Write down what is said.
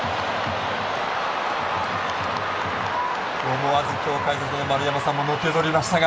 思わず、今日解説の丸山さんものけぞりましたが。